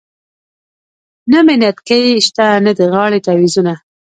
نه مې نتکې شته نه د غاړې تعویذونه .